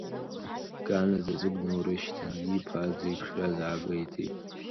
Гана заҵәык днаурышьҭын, иԥа дзеиԥшраз аагәеиҭеит.